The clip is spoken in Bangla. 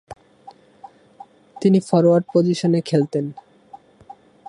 তিনি ফরোয়ার্ড পজিশনে খেলতেন।